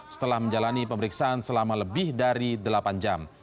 setelah menjalani pemeriksaan selama lebih dari delapan jam